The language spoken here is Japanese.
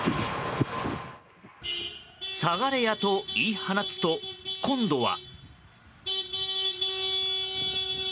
下がれやと言い放つと今度は。